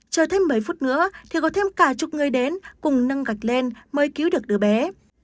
chờ thêm mấy phút nữa thì có thêm cả chục người đến cùng nâng gạch lên mới cứu được đứa bé